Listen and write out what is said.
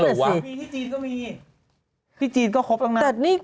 จากนี้ที่จีนก็มี